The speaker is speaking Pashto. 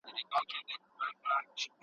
دا رومان د یوې نوې نړۍ او نوې هیلې زېری دی.